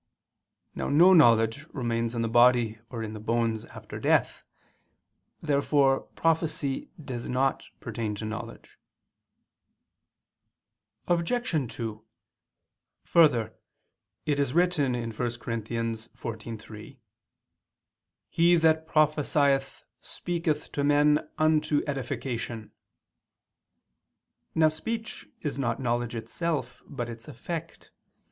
Now no knowledge remains in the body or in the bones after death. Therefore prophecy does not pertain to knowledge. Obj. 2: Further, it is written (1 Cor. 14:3): "He that prophesieth, speaketh to men unto edification." Now speech is not knowledge itself, but its effect.